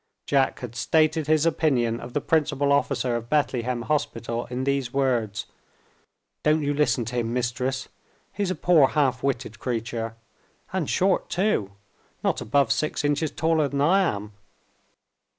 Jack had stated his opinion of the principal officer of Bethlehem Hospital in these words: "Don't you listen to him, Mistress; he's a poor half witted creature. And short, too not above six inches taller than I am!"